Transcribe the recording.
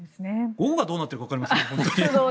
午後がどうなっているかわかりませんから。